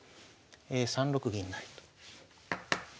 ３六銀成と。